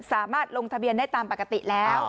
สามารถลงทะเบียนได้ตามปกติแล้ว